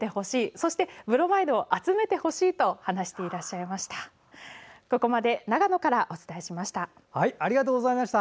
そして、ブロマイドを集めてほしいと話していらっしゃいました。